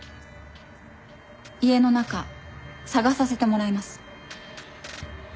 家の中捜させてもらいます。